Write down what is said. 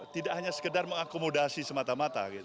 tidak hanya sekedar mengakomodasi semata mata